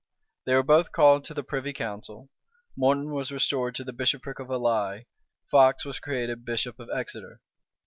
They were both called to the privy council; Morton was restored to the bishopric of Ely, Fox was created bishop of Exeter.